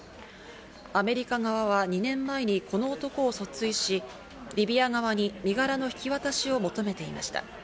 アメリカ側は２年前にこの男を訴追し、リビア側に身柄の引き渡しを求めていました。